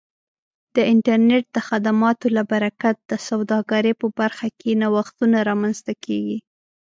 د انټرنیټ د خدماتو له برکت د سوداګرۍ په برخه کې نوښتونه رامنځته کیږي.